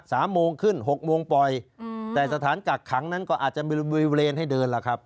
โมงขึ้นหกโมงปล่อยอืมแต่สถานกักขังนั้นก็อาจจะมีบริเวณให้เดินล่ะครับ